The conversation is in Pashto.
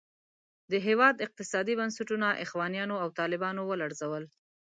د هېواد اقتصادي بنسټونه اخوانیانو او طالبانو ولړزول.